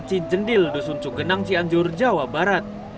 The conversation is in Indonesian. cijendil dusun cugenang cianjur jawa barat